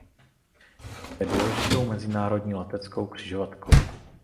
Je také důležitou mezinárodní leteckou křižovatkou.